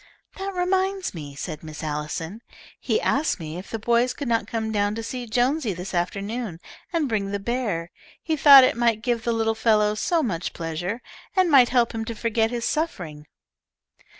"That reminds me," said Miss Allison, "he asked me if the boys could not come down to see Jonesy this afternoon, and bring the bear. He thought it would give the little fellow so much pleasure, and might help him to forget his suffering."